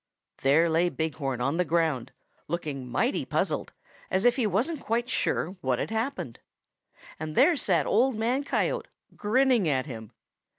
There lay Big Horn on the ground, looking mighty puzzled, as if he wasn't quite sure what had happened. And there sat Old Man Coyote, grinning at him!